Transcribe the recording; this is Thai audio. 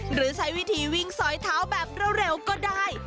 หรือใช้วิธีวิ่งสอยเท้าแบบเร็วก็ได้